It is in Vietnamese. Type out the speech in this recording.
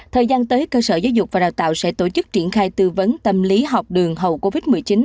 thời gian tới cơ sở giáo dục và đào tạo sẽ tổ chức triển khai tư vấn tâm lý học đường hậu covid một mươi chín